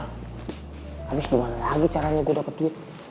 habis gimana lagi caranya gue dapet gitu